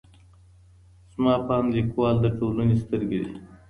زما په اند ليکوال د ټولني سترګې دي.